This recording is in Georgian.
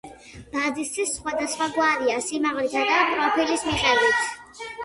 ბაზისი სხვადასხვაგვარია სიმაღლითა და პროფილის მიხედვით.